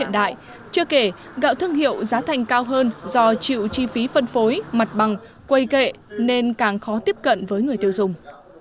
do chịu chi phí phân phối mặt bằng quầy kệ nên càng khó tiếp cận với người tiêu dùng